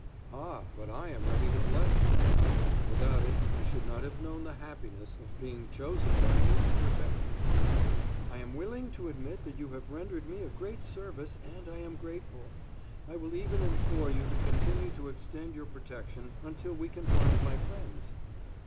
"Ah, but I am ready to bless the cause; without it, I should not have known the happiness of being chosen by you to protect you." "I am willing to admit that you have rendered me a great service, and I am grateful. I will even implore you to continue to extend your protection until we can find my friends."